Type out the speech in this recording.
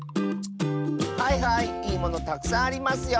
はいはいいいものたくさんありますよ。